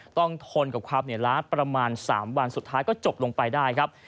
ทนกับความเหนื่อยล้าประมาณ๓วันสุดท้ายก็จบลงไปได้ครับ